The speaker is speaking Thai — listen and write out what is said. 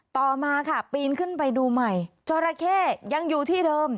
ต่อมาค่ะปีนขึ้นไปดูใหม่จอราเข้ยังอยู่ที่เดิม